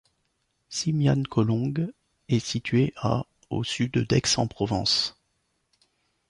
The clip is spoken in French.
Simiane-Collongue est située à au sud d'Aix-en-Provence.